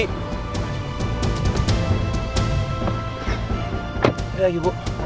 gak ada lagi bu